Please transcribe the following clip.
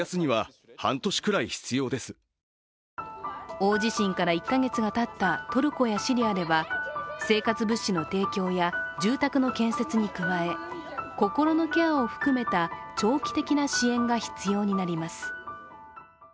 大地震から１か月がたったトルコやシリアでは生活物資の提供や住宅の建設に加え、心のケアを含めた長期的な支援が必要になります。